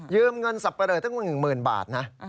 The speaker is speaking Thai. ยืมเงินสับปะเริ่มตั้งกว่า๑๐๐๐๐บาทนะ